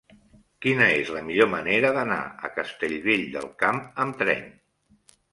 Quina és la millor manera d'anar a Castellvell del Camp amb tren?